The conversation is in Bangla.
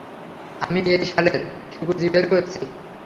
আমি এই শালের ঠিকুজী বের করছি।